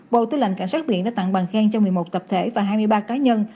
bộ tư lệnh cảnh sát biển đã tặng bằng khen cho một mươi một tập thể và hai mươi ba cá nhân